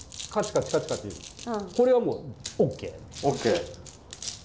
これはもうＯＫ。ＯＫ？